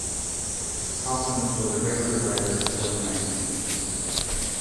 Coplans was a regular writer for the magazine.